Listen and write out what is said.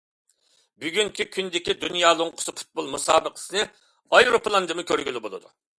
بۈگۈنكى كۈندىكى دۇنيا لوڭقىسى پۇتبول مۇسابىقىسىنى ئايروپىلاندىمۇ كۆرگىلى بولىدۇ.